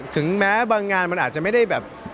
ถึงแม้บางงานมันอาจจะไม่ได้แบบ